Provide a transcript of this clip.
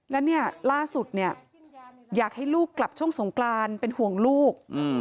แล้วเนี่ยล่าสุดเนี่ยอยากให้ลูกกลับช่วงสงกรานเป็นห่วงลูก